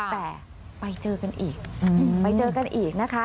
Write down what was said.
แต่ไปเจอกันอีกไปเจอกันอีกนะคะ